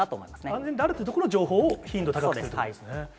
安全であるという情報の頻度高くということですね。